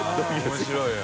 面白いな。